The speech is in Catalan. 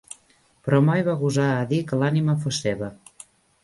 Però mai va gosar a dir que l'ànima fos seva.